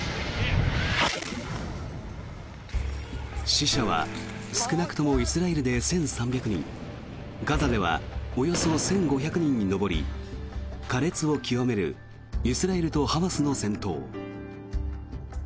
死者は少なくともイスラエルで１３００人ガザではおよそ１５００人に上り苛烈を極めるイスラエルとハマスの戦闘。